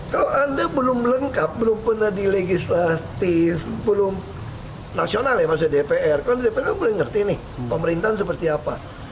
kalau anda belum lengkap belum pernah di legislatif belum nasional ya maksudnya dpr kan di dpr kan boleh ngerti nih pemerintahan seperti apa